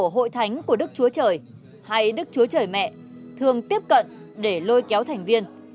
hội thánh của đức chúa trời hay đức chúa trời mẹ thường tiếp cận để lôi kéo thành viên